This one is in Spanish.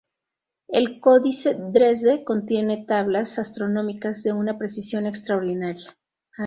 El Códice Dresde contiene tablas astronómicas de una precisión extraordinaria.